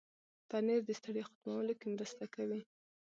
پنېر د ستړیا ختمولو کې مرسته کوي.